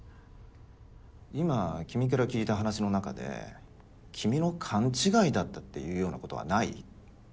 今君から聞いた話の中で君の勘違いだったっていうようなことはない？